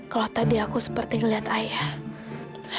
kalau tadi aku seperti ngeliat ayah